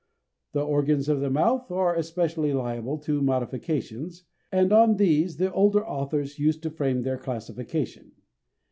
The organs of the mouth are especially liable to modification, and on these the older authors used to frame their classification.